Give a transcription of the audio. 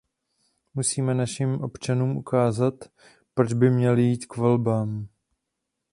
Musíme našim občanům ukázat, proč by měli jít k volbám.